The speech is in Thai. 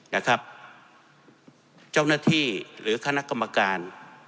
นะครับเจ้าหน้าที่หรือคณะกรรมการ